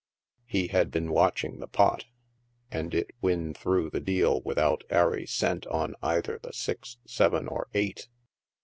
He had been watching the pot, and it win through the deal without ary cent on either the six, seven or eight.